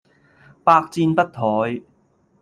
百戰不殆